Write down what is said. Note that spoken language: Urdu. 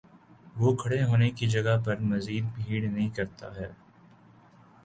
وہ کھڑے ہونے کی جگہ پر مزید بھیڑ نہیں کرتا ہے